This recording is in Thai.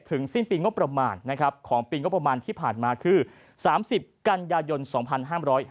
สิ้นปีงบประมาณนะครับของปีงบประมาณที่ผ่านมาคือ๓๐กันยายน๒๕๕๙